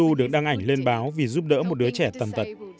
bé bô lu được đăng ảnh lên báo vì giúp đỡ một đứa trẻ tầm tật